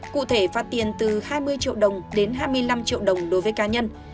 cụ thể phạt tiền từ hai mươi triệu đồng đến hai mươi năm triệu đồng đối với cá nhân